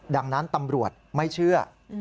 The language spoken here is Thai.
ดังนั้นตำรวจไม่เชื่อ